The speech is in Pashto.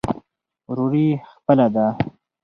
وروري خپله ده.